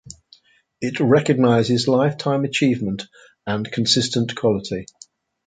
It recognizes lifetime achievement and consistent quality.